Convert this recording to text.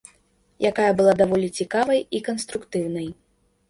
Якая была даволі цікавай і канструктыўнай.